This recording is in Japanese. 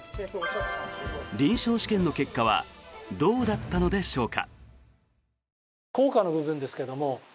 臨床試験の結果はどうだったのでしょうか。